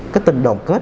cái tình đồng kết